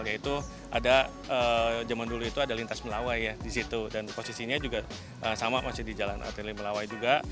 yaitu ada zaman dulu itu ada lintas melawai ya di situ dan posisinya juga sama masih di jalan arteri melawai juga